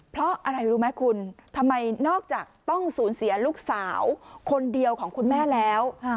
เพราะอะไรรู้ไหมคุณทำไมนอกจากต้องสูญเสียลูกสาวคนเดียวของคุณแม่แล้ว